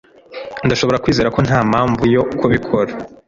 Ndashobora kwizeza ko nta mpamvu yo kubikora.